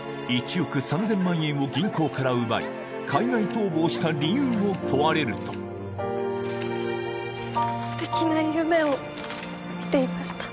１億３０００万円を銀行から奪い海外逃亡した理由を問われるとすてきな夢を見ていました